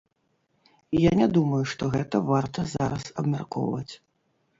Я не думаю, што гэта варта зараз абмяркоўваць.